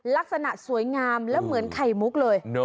ลักษณะสวยงามแล้วเหมือนไข่มุกเลย